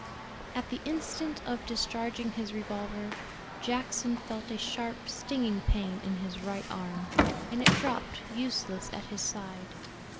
At the instant of discharging his revolver, Jackson felt a sharp stinging pain in his right arm, and it dropped useless at his side.